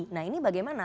nah ini bagaimana